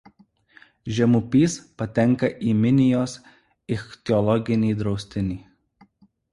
Žemupys patenka į Minijos ichtiologinį draustinį.